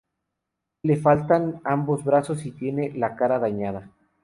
Le faltan ambos brazos y tiene la cara dañada.